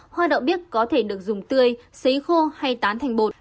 hoa đậu bích có thể được dùng tươi xấy khô hay tán thành bột